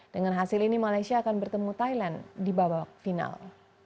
dengan hasil ini malaysia akan bertemu thailand di babak final